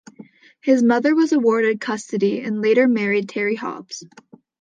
His mother was awarded custody and later married Terry Hobbs.